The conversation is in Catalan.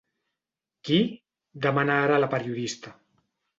Qui? —demana ara la periodista.